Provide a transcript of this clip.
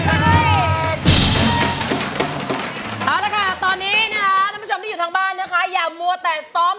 เอาละค่ะตอนนี้นะคะท่านผู้ชมที่อยู่ทางบ้านนะคะอย่ามัวแต่ซ้อม